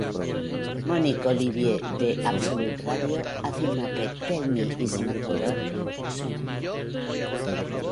Monique Oliver de Absolute Radio afirma que 'Tell Me It's Not Over' "suena bien".